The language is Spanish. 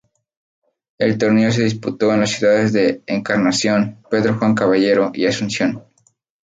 El torneo se disputó en las ciudades de Encarnación, Pedro Juan Caballero y Asunción.